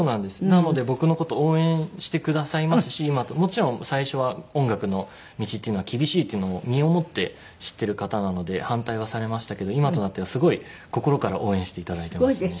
なので僕の事応援してくださいますしもちろん最初は音楽の道っていうのは厳しいっていうのを身をもって知ってる方なので反対はされましたけど今となってはすごい心から応援していただいてますね。